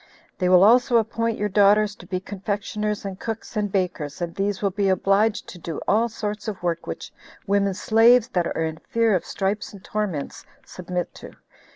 They will also appoint your daughters to be confectioners, and cooks, and bakers; and these will be obliged to do all sorts of work which women slaves, that are in fear of stripes and torments, submit to.